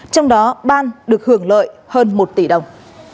trong đó ban được hưởng lợi hơn một tỷ đồng